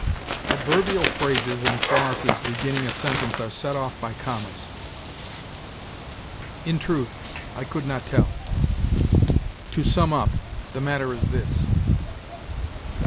Adverbial phrases and clauses beginning a sentence are set off by commas. "In truth, I could not tell." "To sum up, the matter is this."